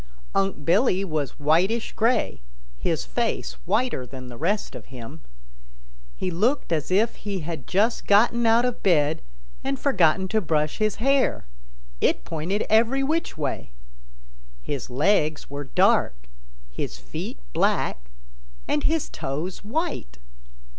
Unc' Billy was whitish gray, his face whiter than the rest of him. He looked as if he had just gotten out of bed and forgotten to brush his hair; it pointed every which way. His legs were dark, his feet black and his toes white.